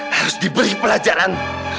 harus diberi pelajaran